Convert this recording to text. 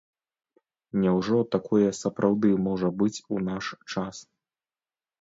Няўжо такое сапраўды можа быць у наш час?